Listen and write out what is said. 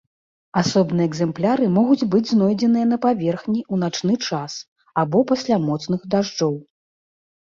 Асобныя экзэмпляры могуць быць знойдзеныя на паверхні ў начны час або пасля моцных дажджоў.